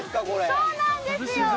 そうなんですよ。